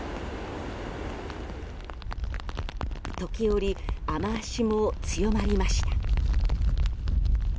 時折、雨脚も強まりました。